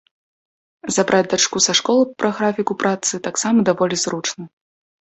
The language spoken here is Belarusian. Забраць дачку са школы пра графіку працы таксама даволі зручна.